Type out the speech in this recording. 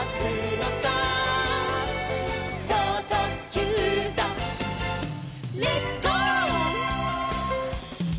「ちょうとっきゅうだレッツ・ゴー！」